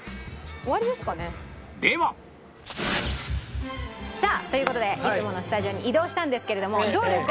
ではさあという事でいつものスタジオに移動したんですけれどもどうですか？